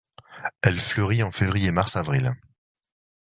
Elle fleurit en février-mars-avril.